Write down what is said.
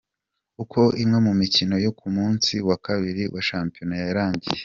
Uko imwe mu mikino yo ku munsi wa Kabiri wa Shampiyona yarangiye:.